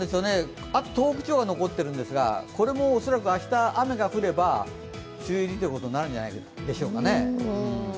あと東北地方が残っているんですが、これも恐らく明日雨が降れば梅雨入りということになるんじゃないでしょうか。